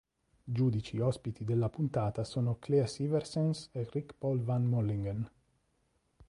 Giudici ospiti della puntata sono Cleas Iversens e Rick Paul van Mullingen.